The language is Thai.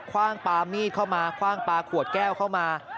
ว่างปลามีดเข้ามาคว่างปลาขวดแก้วเข้ามา